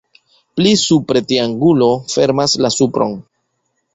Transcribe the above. Pli supre triangulo fermas la supron.